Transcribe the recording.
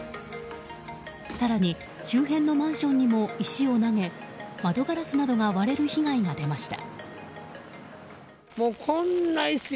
更に周辺のマンションにも石を投げ窓ガラスなどが割れる被害が出ました。